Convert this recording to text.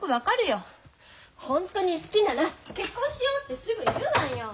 ホントに好きなら結婚しようってすぐ言うわよ。